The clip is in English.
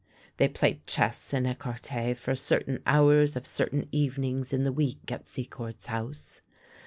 They played chess and ecarte for certain hours of certain evenings in the week at Secord's house.